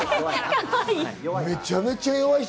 めちゃくちゃ弱いし。